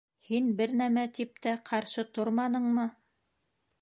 — Һин бер нәмә тип тә ҡаршы торманыңмы?